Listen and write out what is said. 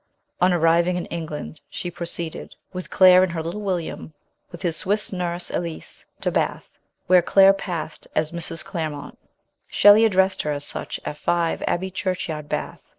On arriving in Eng RETURN TO ENGLAND. 113 land she proceeded, with Claire and her little William, with his Swiss nurse Elise, to Bath, where Claire passed as Mrs. Clairemont. Shelley addressed her as such at 5 Abbey Churchyard, Bath.